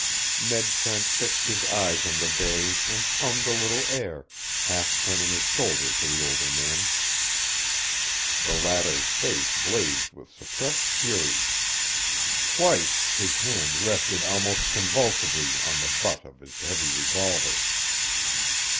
Ned Trent fixed his eyes on the bay and hummed a little air, half turning his shoulder to the older man. The latter's face blazed with suppressed fury. Twice his hand rested almost convulsively on the butt of his heavy revolver.